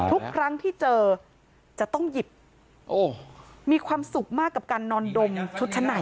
ทุกครั้งที่เจอจะต้องหยิบมีความสุขมากกับการนอนดมชุดชั้นใน